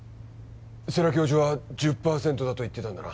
世良教授は１０％だと言っていたんだな？